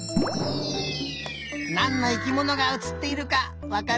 なんの生きものがうつっているかわかるかな？